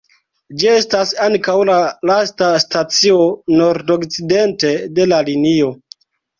Ĝi estas ankaŭ la lasta stacio nordokcidente de la linio.